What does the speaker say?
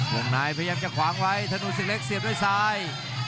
วงในพยายามจะขวางไว้ธนูศึกเล็กเสียบด้วยซ้าย